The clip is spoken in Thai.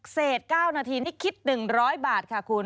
เศษเก้านาทีนี่คิดหนึ่งร้อยบาทค่ะคุณ